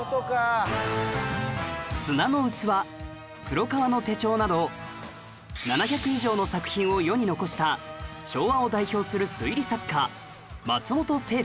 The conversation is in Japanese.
『砂の器』『黒革の手帖』など７００以上の作品を世に残した昭和を代表する推理作家松本清張